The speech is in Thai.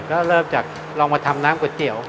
ก็เริ่มจากลองมาทำน้ำก๋วยเตี๋ยว